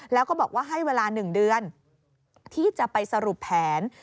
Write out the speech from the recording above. แล้วก็บอกว่าให้เวลา๑เดือนที่จะไปสรุปแผน